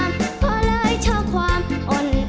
มิตรและญาติจัดงานค่ะใด